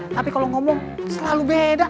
tapi kalau ngomong selalu beda